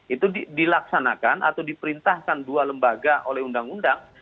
itu dilaksanakan atau diperintahkan dua lembaga oleh undang undang